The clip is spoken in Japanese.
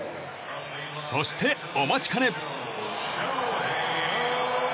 そして、お待ちかね。